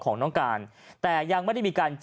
โป่งแร่ตำบลพฤศจิตภัณฑ์